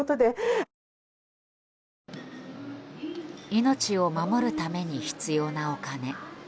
命を守るために必要なお金。